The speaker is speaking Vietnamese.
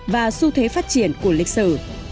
và xu thế phát triển của lịch sử